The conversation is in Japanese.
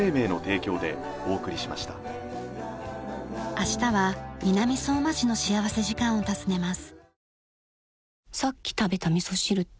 明日は南相馬市の幸福時間を訪ねます。